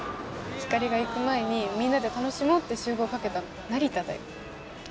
ひかりが行く前にみんなで楽しもうって集合かけたの成田だよ